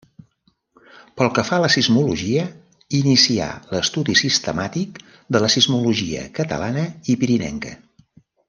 Pel que fa a la sismologia inicià l'estudi sistemàtic de la sismologia catalana i pirinenca.